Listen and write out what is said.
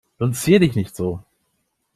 Nun zier dich nicht so.